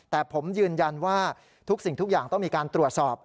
แต่ผมยืนยันว่าทุกสิ่งทุกอย่างต้องมีการตรวจสอบ